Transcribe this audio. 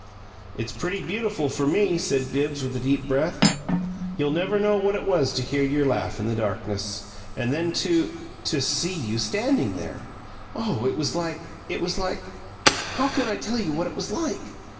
"It's pretty beautiful for me," said Bibbs, with a deep breath. "You'll never know what it was to hear your laugh in the darkness and then to to see you standing there! Oh, it was like it was like how can I TELL you what it was like?"